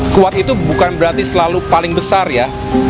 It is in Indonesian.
kuat itu bukan berarti selalu paling besar ya